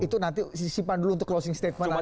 itu nanti simpan dulu untuk closing statement nanti